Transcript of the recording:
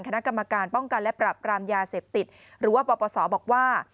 คณะกรรมการป้องกันและปรับปรามยาเสพติดหรือว่าปปศบอกว่า